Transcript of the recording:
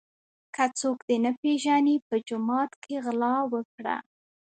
که څوک دي نه پیژني په جومات کي غلا وکړه.